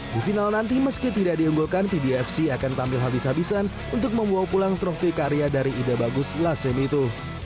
di final nanti meski tidak diunggulkan pbfc akan tampil habis habisan untuk membawa pulang trofi karya dari ide bagus lasem itu